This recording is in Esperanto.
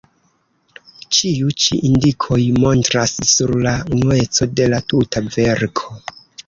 Ĉiu ĉi indikoj montras sur la unueco de la tuta verko.